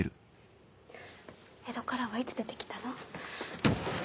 江戸からはいつ出て来たの？